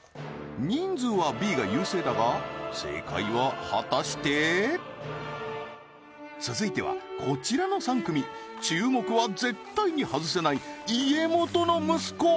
人数はＢが優勢だが正解は果たして続いてはこちらの３組注目は絶対に外せない家元の息子